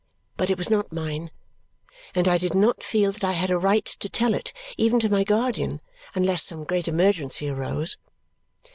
But it was not mine, and I did not feel that I had a right to tell it, even to my guardian, unless some great emergency arose.